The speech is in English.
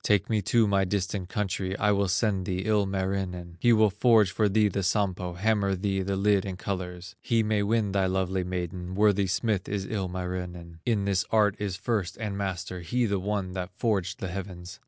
Take me to my distant country, I will send thee Ilmarinen, He will forge for thee the Sampo, Hammer thee the lid in colors, He may win thy lovely maiden; Worthy smith is Ilmarinen, In this art is first and master; He, the one that forged the heavens.